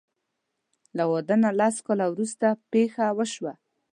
له واده نه لس کاله وروسته پېښه وشوه.